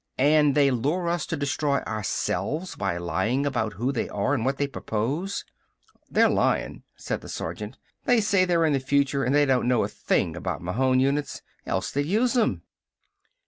And they lure us to destroy ourselves by lying about who they are and what they propose." "They're lyin'," said the sergeant. "They say they're in the future and they don't know a thing about Mahon units. Else they'd use 'em."